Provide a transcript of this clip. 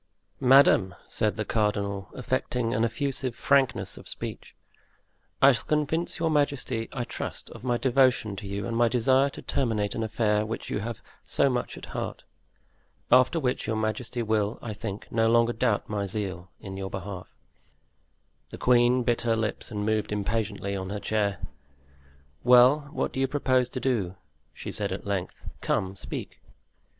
"Madame," said the cardinal, affecting an effusive frankness of speech, "I shall convince your majesty, I trust, of my devotion to you and my desire to terminate an affair which you have so much at heart. After which your majesty will, I think, no longer doubt my zeal in your behalf." The queen bit her lips and moved impatiently on her chair. "Well, what do you propose to do?" she, said at length; "come, speak."